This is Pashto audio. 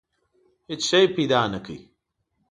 هېڅ شی پیدا نه کړ.